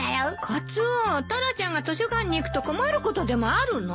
カツオタラちゃんが図書館に行くと困ることでもあるの？